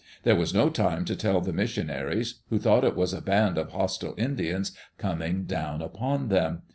There was no time to tell the missionaries, who thought it was a band of hostile Indians coming down upon them.